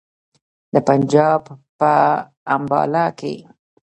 د پنجاب په امباله کې.